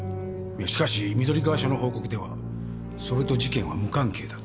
しかし緑川署の報告ではそれと事件は無関係だと。